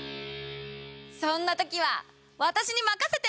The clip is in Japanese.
そんな時は私に任せて！